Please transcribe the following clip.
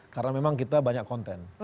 karena memang kita banyak konten